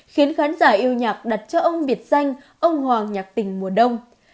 khiến khán giả yêu nhạc đặt cho ông biệt danh ông hoàng nhạc tình mùa đông